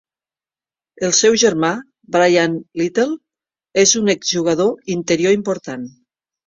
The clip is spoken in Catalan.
El seu germà, Bryan Little, és un exjugador interior important.